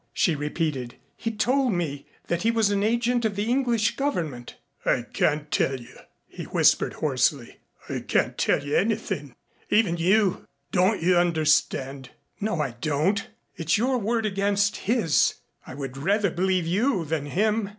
she repeated. "He told me that he was an agent of the English Government." "I can't tell you," he whispered hoarsely. "I can't tell you anything even you. Don't you understand?" "No, I don't. It's your word against his. I would rather believe you than him.